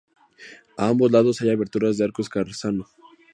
A ambos lados hay aberturas de arco escarzano.